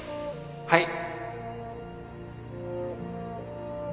はい